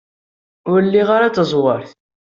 Ur liɣ ara taẓwert.